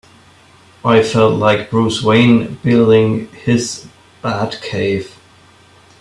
I felt like Bruce Wayne building his Batcave!